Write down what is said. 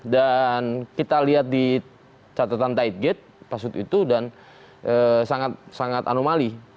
dan kita lihat di catatan tight gate pasut itu dan sangat sangat anomali